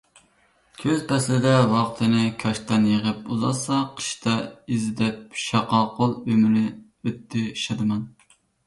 كۈز پەسلىدە ۋاقتىنى كاشتان يىغىپ ئۇزارتسا، قىشتا ئىزدەپ شاقاقۇل ئۆمرى ئۆتتى شادىمان.